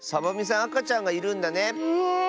あかちゃんがいるんだね。